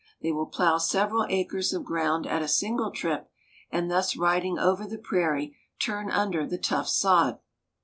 They will plow several acres of ground at a single trip, and thus riding over the prairie turn under the tough sod.